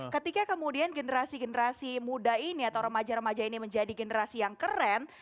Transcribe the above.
ketika kemudian generasi generasi muda ini atau remaja remaja ini menjadi generasi yang keren